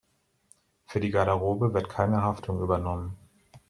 Für die Garderobe wird keine Haftung übernommen.